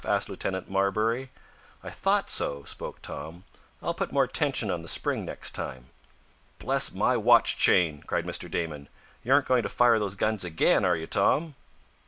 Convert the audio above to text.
asked Lieutenant Marbury. "I thought so," spoke Tom. "I'll put more tension on the spring next time." "Bless my watch chain!" cried Mr. Damon. "You aren't going to fire those guns again; are you, Tom?"